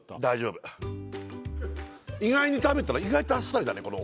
大丈夫意外に食べたら意外とあっさりだね